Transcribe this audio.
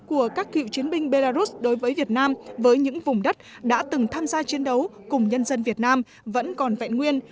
của các cựu chiến binh belarus đối với việt nam với những vùng đất đã từng tham gia chiến đấu cùng nhân dân việt nam vẫn còn vẹn nguyên